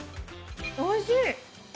おいしい！